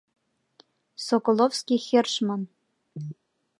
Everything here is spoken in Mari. «Соколовский хершман!»